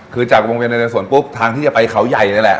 คือจากวงเวียนสวนปุ๊บทางที่จะไปเขาใหญ่นี่แหละ